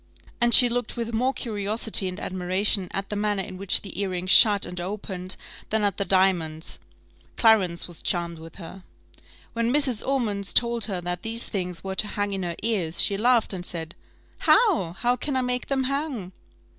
and she looked with more curiosity and admiration at the manner in which the earring shut and opened than at the diamonds. Clarence was charmed with her. When Mrs. Ormond told her that these things were to hang in her ears, she laughed and said, "How! how can I make them hang?"